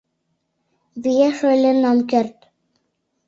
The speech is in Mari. Виеш ойлен ом керт.